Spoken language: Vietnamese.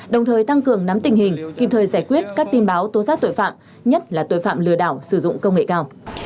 đồng thời tăng cường nắm tình hình kịp thời giải quyết các tin báo tố giác tội phạm nhất là tội phạm lừa đảo sử dụng công nghệ cao